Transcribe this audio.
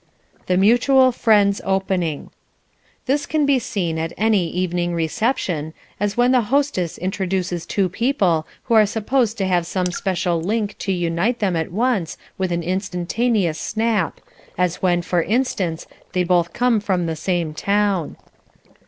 The Mutual Friends' Opening This can be seen at any evening reception, as when the hostess introduces two people who are supposed to have some special link to unite them at once with an instantaneous snap, as when, for instance, they both come from the same town.